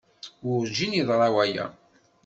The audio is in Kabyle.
Werǧin yeḍri waya.